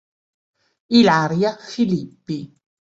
Ilaria Filippi